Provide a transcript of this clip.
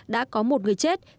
đã có một người chết